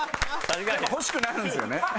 やっぱ欲しくなるんですよね。